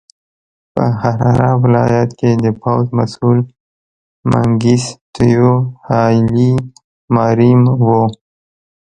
په حراره ولایت کې د پوځ مسوول منګیسټیو هایلي ماریم و.